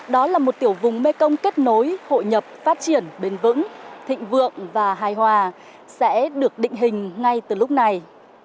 đó là một tiểu vùng mekong kết nối hội nhập phát triển bền vững thịnh vượng và hài hòa sẽ được định hình ngay từ lúc này